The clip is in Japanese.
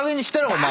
お前。